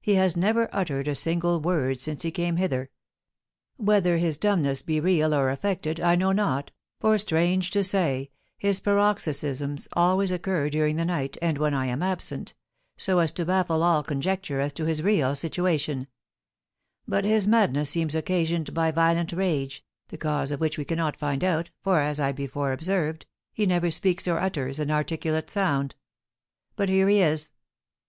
He has never uttered a single word since he came hither; whether his dumbness be real or affected I know not, for, strange to say, his paroxysms always occur during the night, and when I am absent, so as to baffle all conjecture as to his real situation; but his madness seems occasioned by violent rage, the cause of which we cannot find out, for, as I before observed, he never speaks or utters an articulate sound. But here he is."